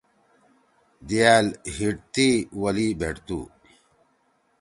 دییال ہیتی ولی بھیٹ تو ؟